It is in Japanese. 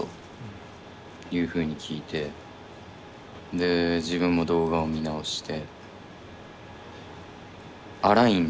で自分も動画を見直して。